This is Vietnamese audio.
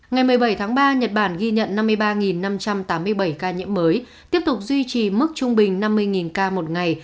ngày một mươi bảy tháng ba nhật bản ghi nhận năm mươi ba năm trăm tám mươi bảy ca nhiễm mới tiếp tục duy trì mức trung bình năm mươi ca một ngày